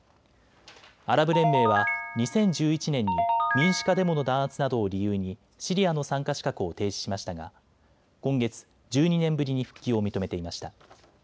アラブ連盟は２０１１年に民主化デモの弾圧などを理由にシリアの参加資格を停止しましたが今月１２年ぶりに復帰を認めていました。